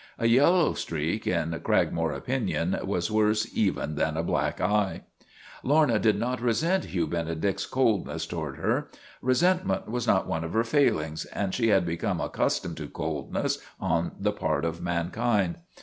A yellow streak, in Cragmore opinion, was worse even than a black eye. Lorna did not resent Hugh Benedict's coldness to ward her. Resentment was not one of her failings LORNA OF THE BLACK EYE 255 and she had become accustomed to coldness on the part of mankind.